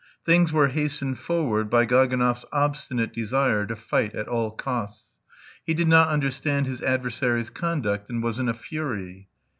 Things were hastened forward by Gaganov's obstinate desire to fight at all costs. He did not understand his adversary's conduct, and was in a fury.